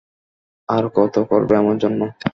আর কত করবে আমার জন্য?